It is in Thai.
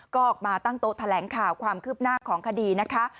ก็ออกมาตั้งโต๊ะแถลงข่าวความคืบหน้าของคดีนะคะ